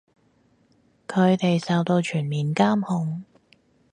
佢哋受到全面監控